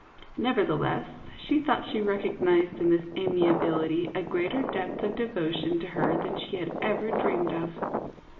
Never theless, she thought she recognized in this amiability a greater depth of devotion to her than she had even dreamed of.